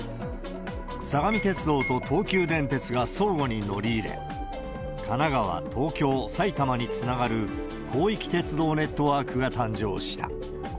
相模鉄道と東急電鉄が相互に乗り入れ、神奈川、東京、埼玉につながる広域鉄道ネットワークが誕生した。